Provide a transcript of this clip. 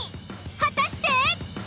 果たして。